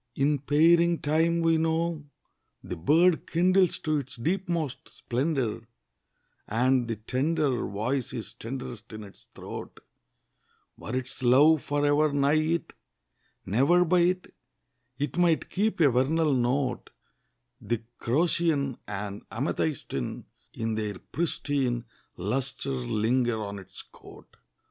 In pairing time, we know, the bird Kindles to its deepmost splendour, And the tender Voice is tenderest in its throat: Were its love for ever nigh it, Never by it, It might keep a vernal note, The crocean and amethystine In their pristine Lustre linger on its coat.